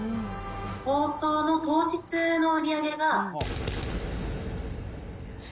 放送の当日の売り上げが×××。